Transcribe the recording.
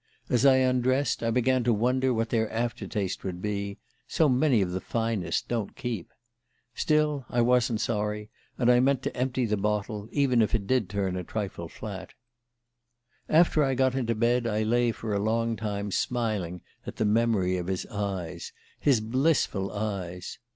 As I undressed I began to wonder what their after taste would be so many of the finest don't keep! Still, I wasn't sorry, and I meant to empty the bottle, even if it did turn a trifle flat. "After I got into bed I lay for a long time smiling at the memory of his eyes his blissful eyes...